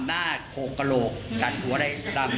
ฟาดลงดิน